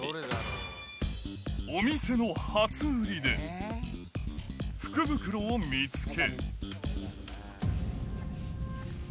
お店の初売りで、福袋を見つけ。